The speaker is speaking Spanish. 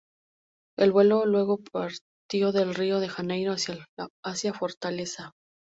El vuelo luego partió de Río de Janeiro hacia Fortaleza.